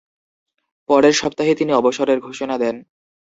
পরের সপ্তাহে তিনি অবসরের ঘোষণা দেন।